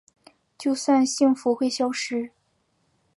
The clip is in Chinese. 就算幸福会消失